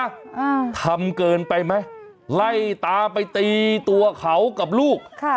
อ่าทำเกินไปไหมไล่ตามไปตีตัวเขากับลูกค่ะ